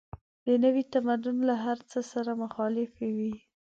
د نوي تمدن له هر څه سره مخالفې وې.